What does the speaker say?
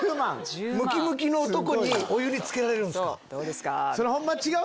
ムキムキの男にお湯につけられるんですか。